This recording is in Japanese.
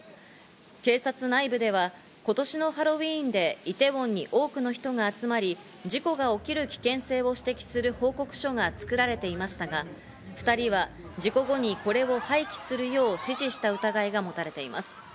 警察内部では今年のハロウィーンで、イテウォンに多くの人が集まり、事故が起きる危険性を指摘する報告書が作られていましたが、２人は事故後にこれを廃棄するよう指示した疑いが持たれています。